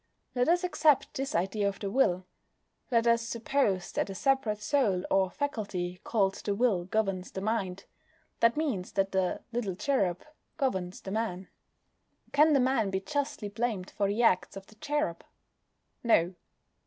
Let us accept this idea of the will. Let us suppose that a separate soul or faculty called the will governs the mind. That means that the "little cherub" governs the man. Can the man be justly blamed for the acts of the cherub? No.